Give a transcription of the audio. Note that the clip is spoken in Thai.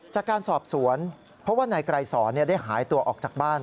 จากการสอบสวนเพราะว่านายไกรสอนได้หายตัวออกจากบ้าน